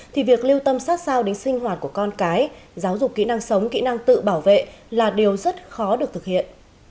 thì việc lưu tâm sát sao đến sinh hoạt của con cái giáo dục kỹ năng sống kỹ năng tự bảo vệ là điều rất khó được thực hiện